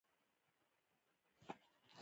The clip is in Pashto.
سړي وويل اصلي تصوير همدا دى.